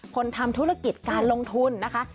คนทำธุรกิจการลงทุนนะคะ